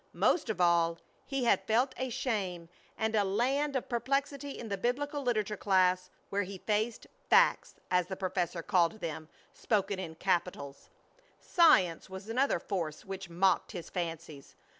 Most of all he had felt a shame and a land of perplexity in the biblical literature class where he faced "FACTS" as the professor called them, spoken in capitals. SCIENCE was another force which mocked his fancies.